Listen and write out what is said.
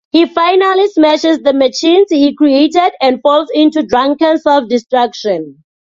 He finally smashes the machines he has created, and falls into drunken self-destruction.